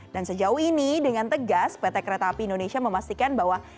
dan sejauh ini dengan tegas pt kereta api indonesia memastikan bahwa